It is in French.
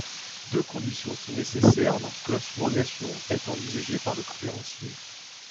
Deux conditions sont nécessaires lorsque la subrogation est envisagée par le créancier.